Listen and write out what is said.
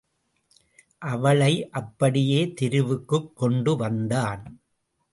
அவளை அப்படியே தெருவுக்குக் கொண்டு வந்தான்.